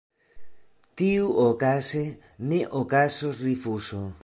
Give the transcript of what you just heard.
Tiuokaze ne okazos rifuzo.